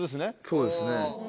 そうですね。